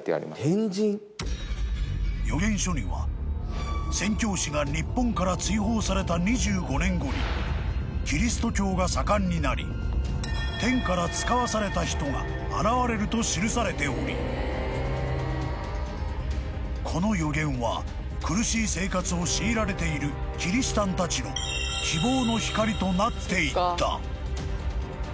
［予言書には宣教師が日本から追放された２５年後にキリスト教が盛んになり天からつかわされた人が現れると記されておりこの予言は苦しい生活を強いられているキリシタンたちの希望の光となっていった］